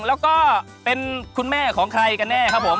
แล้วก็เป็นคุณแม่ของใครกันแน่ครับผม